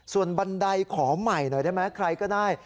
ส่วนบันไดขอใหม่หน่อยได้ไหมใครก็ได้